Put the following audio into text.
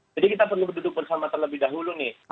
jadi kita perlu berduduk bersama terlebih dahulu nih